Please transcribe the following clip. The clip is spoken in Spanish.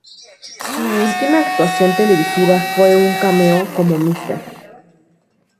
Su última actuación televisiva fue un cameo como Mr.